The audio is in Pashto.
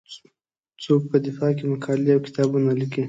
څوک په دفاع کې مقالې او کتابونه لیکي.